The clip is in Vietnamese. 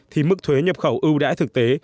thì mức thuế nhập khẩu ưu đãi thực tế